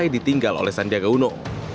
usai ditinggal oleh sandiaguno